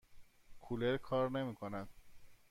کولر کار نمی کند.